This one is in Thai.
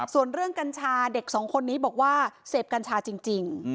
ส่วนเรื่องกัญชาเด็กสองคนนี้บอกว่าเสพกัญชาจริง